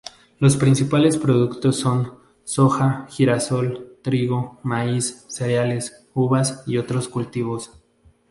Los principales productos son: soja, girasol, trigo, maíz, cereales, uvas y otros cultivos.